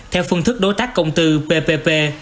theo phương thức đối tác công tư ppp